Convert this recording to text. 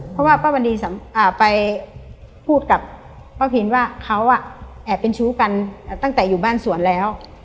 เพราะว่าป้าวันดีไปพูดกับป้าพินว่าเขาแอบเป็นชู้กันตั้งแต่อยู่บ้านสวนแล้ว